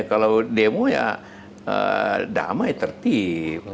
kalau demo ya damai tertib